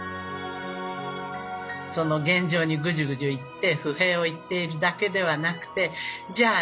その現状にぐじゅぐじゅ言って不平を言っているだけではなくてじゃあ